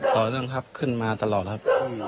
ต่อเนื่องครับขึ้นมาตลอดครับ